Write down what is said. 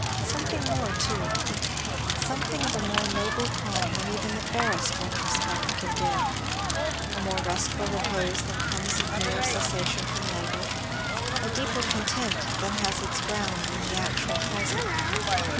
Something more too; some thing of a more noble calm than even the fairest retrospect can give; a more restful repose than comes of mere cessation from labour; a deeper content than has its ground in the actual present.